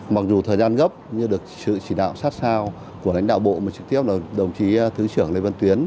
mặc dù thời gian gấp như được trị đạo sát sao của lãnh đạo bộ mà trực tiếp là đồng chí thứ trưởng lê văn tuyến